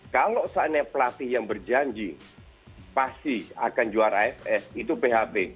kalau saatnya pelatih yang berjanji pasti akan juara aff itu php